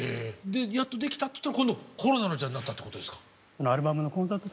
やっと出来たっていったら今度コロナの時代になったってことですか？